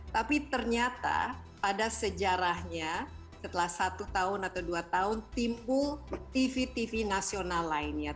tapi ternyata pada sejarahnya setelah satu tahun atau dua tahun timbul tv tv nasional lainnya